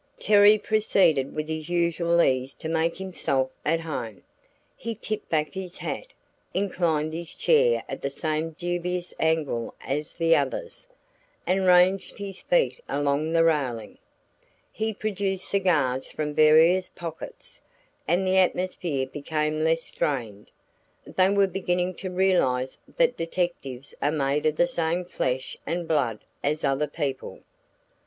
Terry proceeded with his usual ease to make himself at home. He tipped back his hat, inclined his chair at the same dubious angle as the others, and ranged his feet along the railing. He produced cigars from various pockets, and the atmosphere became less strained. They were beginning to realize that detectives are made of the same flesh and blood as other people.